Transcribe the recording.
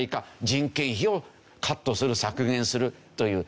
人件費をカットする削減するという。